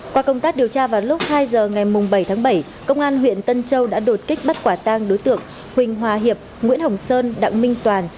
qua công tác điều tra vào lúc hai giờ ngày bảy tháng bảy công an huyện tân châu đã đột kích bắt quả tang đối tượng huỳnh hòa hiệp nguyễn hồng sơn đặng minh toàn